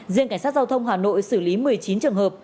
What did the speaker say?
riêng cảnh sát giao thông hà nội xử lý một mươi chín trường hợp